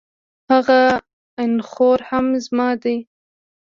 هغه انخورهم زما دی